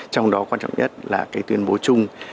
trong đó quan trọng nhất là cái tuyên bố chung